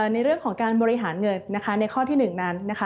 ในเรื่องของการบริหารเงินในข้อที่๑นั้น